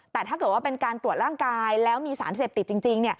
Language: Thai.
แต่ถ้าเกิดว่าเป็นการตรวจร่างกายแล้วมีสารเสพติดจริง